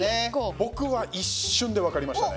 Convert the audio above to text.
僕は一瞬で分かりましたね。